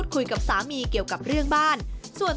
เธออยากให้ชี้แจ่งความจริง